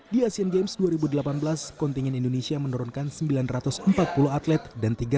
di asean games dua ribu delapan belas kontingen indonesia menurunkan sembilan ratus empat puluh atlet dan tiga ratus enam puluh enam ofisial